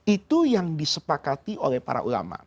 itu yang disepakati oleh para ulama